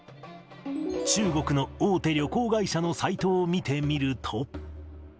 中国の大手旅行会社のサイトを見てみると。